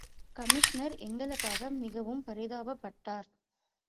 Commissioner எங்களுக்காக மிகவும் பரிதாபப்பட்டார்.